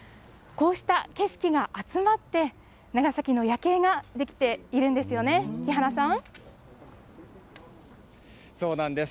こうした景色が集まって、長崎の夜景が出来ているんですよね、木花さん。